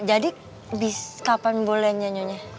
jadi kapan boleh nyanyonya